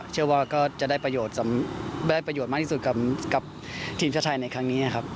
เชื่อว่าก็จะได้ประโยชน์มากที่สุดกับทีมชาติไทยในครั้งนี้นะครับ